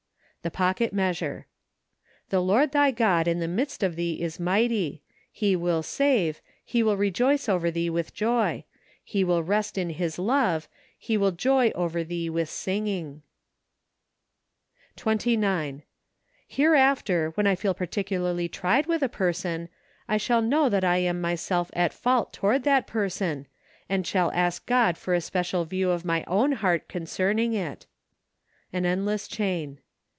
The Pocket Measure. " The Lord thy God in the 'midst of thee is mighty; he will save, he will rejoice over thee icith joy; he will rest in his love , he will joy over thee icith singing ." MARCH. 37 29. Hereafter when I feel particularly tried with a person, I shall know that I am myself at fault toward that person, and shall ask God for a special view of my own heart concerning it. An Endless Chain.